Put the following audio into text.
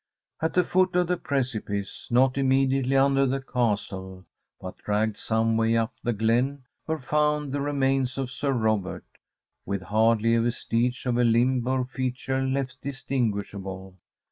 ] At the foot of the precipice, not immediately under the castle, but dragged some way up the glen, were found the remains of Sir Robert, with hardly a vestige of a limb or feature left distinguishable.